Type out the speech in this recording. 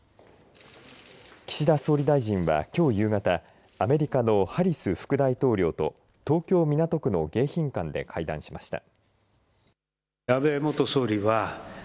岸田総理大臣は、きょう夕方アメリカのハリス副大統領と東京、港区の迎賓館で会談しました。